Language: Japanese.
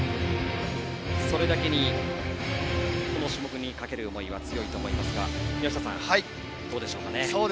それだけに、この種目にかける思いは強いと思いますが宮下さん、どうでしょうかね。